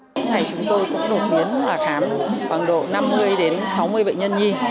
những ngày chúng tôi cũng đột biến là khám bằng độ năm mươi đến sáu mươi bệnh nhân nhi